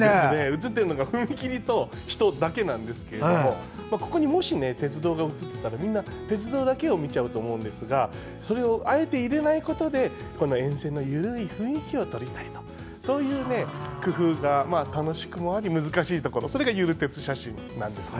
写っているのが踏切と人だけなんですけどここにもし鉄道が写っていたらみんな鉄道だけを見ちゃうと思うんですがそれをあえて入れないことで沿線のゆるい雰囲気を撮りたいとそういう工夫が難しいところ、それがゆる鉄写真なんですね。